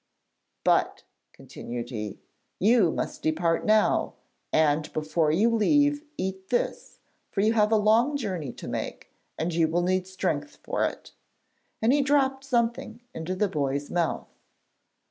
'But,' continued he, 'you must depart now, and, before you leave eat this, for you have a long journey to make and you will need strength for it;' and he dropped something into the boy's mouth.